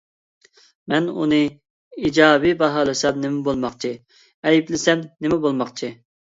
مەن ئۇنى ئىجابىي باھالىسام نېمە بولماقچى، ئەيىبلىسەم نېمە بولماقچى؟